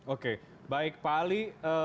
oke baik pak ali